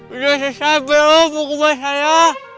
udah selesai belom pukulnya saya